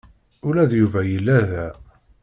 Ula d Yuba yella da.